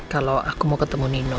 kalau aku mau ketemu nino